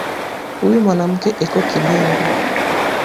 Uyu mwanamuke eko kibengo